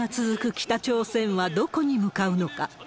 北朝鮮はどこに向かうのか。